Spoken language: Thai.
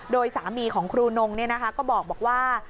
โดยสามีของครูนงก็บอกว่า